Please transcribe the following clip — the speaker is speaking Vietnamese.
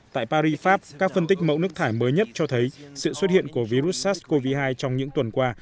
tại paris pháp các phân tích mẫu nước thải mới nhất cho thấy sự xuất hiện của virus sars cov hai trong những tuần qua